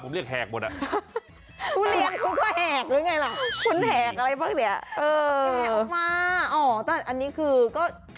กุเรียนกูก็แหกหรือไงล่ะคุณแหกอะไรแบบเนี้ยอ๋อเอาอิงงี่ซีแหกออกมาอ่อแต่อันนี้คือก็